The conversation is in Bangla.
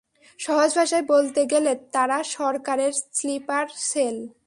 সহজ ভাষায় বলতে গেলে তারা সরকারের স্লিপার সেল।